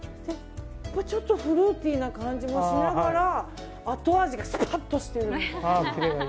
ちょっとフルーティーな感じもしながら後味がスパッとしてるみたいな。